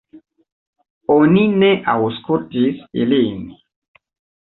Oni ne aŭskultis ilin.